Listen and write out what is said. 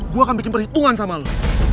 gue akan bikin perhitungan sama lo